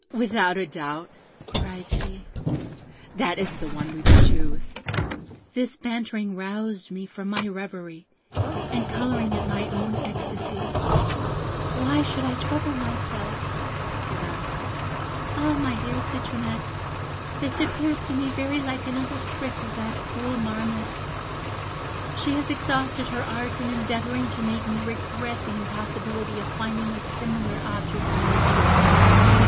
'Without a doubt,' cried she, 'that is the one we will choose.' This bantering roused me from my reverie, and colouring at my own ecstasy, 'Why should I trouble myself,' said I; 'ah, my dear Citronette, this appears to me very like another trick of that cruel Marmotte; she has exhausted her art in endeavouring to make me regret the impossibility of finding a similar object in nature.'